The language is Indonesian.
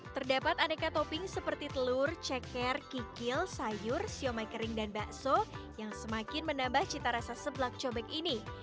terdapat aneka topping seperti telur ceker kikil sayur siomay kering dan bakso yang semakin menambah cita rasa seblak cobek ini